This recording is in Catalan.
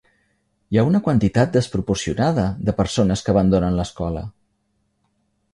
Hi ha una quantitat desproporcionada de persones que abandonen l'escola.